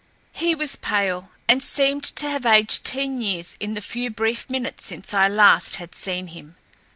He was pale, and seemed to have aged ten years in the few brief minutes since I last had seen him.